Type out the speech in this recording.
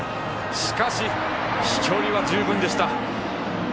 しかし、飛距離は十分でした。